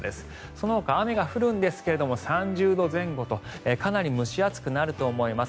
そのほか雨が降るんですが３０度前後とかなり蒸し暑くなると思います。